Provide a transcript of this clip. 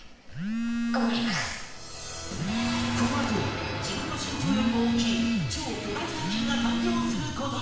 このあと自分の身長よりも大きい超巨大作品が誕生する事に